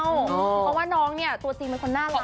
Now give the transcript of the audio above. เพราะว่าน้องตัวซีนมันคนน่ารักนะ